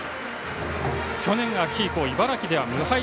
去年秋以降、茨城では無敗。